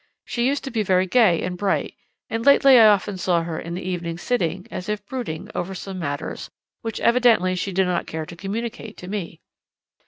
She used to be very gay and bright, and lately I often saw her in the evening sitting, as if brooding over some matters, which evidently she did not care to communicate to me.'